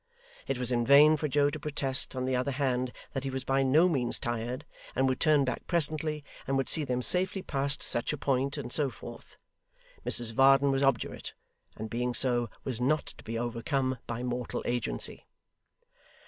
It was in vain for Joe to protest on the other hand that he was by no means tired, and would turn back presently, and would see them safely past such a point, and so forth. Mrs Varden was obdurate, and being so was not to be overcome by mortal agency.